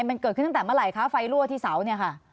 มันเกิดขึ้นตั้งแต่เมื่อไหร่คะไฟรั่วที่เสาเนี่ยค่ะ